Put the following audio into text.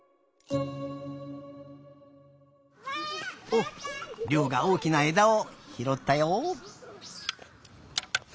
おっりょうがおおきなえだをひろったよ。